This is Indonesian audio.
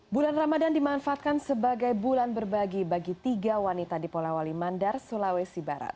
bulan ramadan dimanfaatkan sebagai bulan berbagi bagi tiga wanita di pola wali mandar sulawesi barat